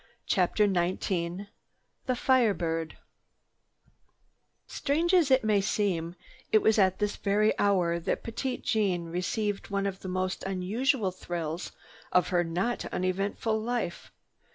CHAPTER XIX THE FIRE BIRD Strange as it may seem, it was at this very hour that Petite Jeanne received one of the most unusual thrills of her not uneventful life.